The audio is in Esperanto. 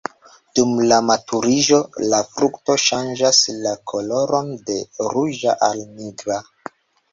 Dum la maturiĝo la frukto ŝanĝas la koloron de ruĝa al nigra.